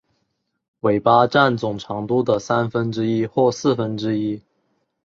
尾巴占总长度的三分之一或四分之一。